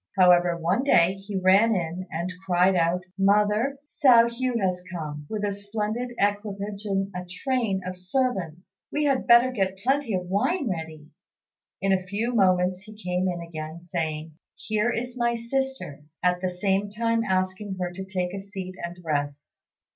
However, one day he ran in and cried out, "Mother, Hsiao hui has come, with a splendid equipage and a train of servants; we had better get plenty of wine ready." In a few moments he came in again, saying, "Here is my sister," at the same time asking her to take a seat and rest.